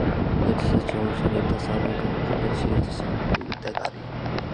უკეთესად შემორჩენილ დასავლეთ კედელში ერთი სარკმელი და კარია.